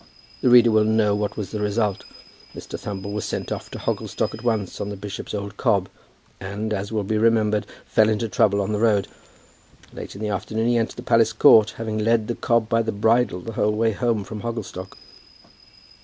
The reader will know what was the result. Mr. Thumble was sent off to Hogglestock at once on the bishop's old cob, and, as will be remembered, fell into trouble on the road. Late in the afternoon he entered the palace yard, having led the cob by the bridle the whole way home from Hogglestock.